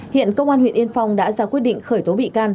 hiện công an huyện yên phong đã ra quyết định khởi tố bị can